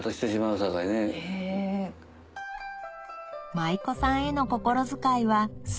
舞妓さんへの心遣いはす